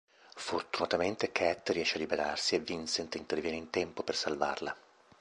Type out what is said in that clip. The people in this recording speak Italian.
Fortunatamente Cat riesce a liberarsi e Vincent interviene in tempo per salvarla.